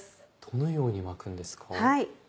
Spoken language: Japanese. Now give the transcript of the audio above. どのように巻くんですか？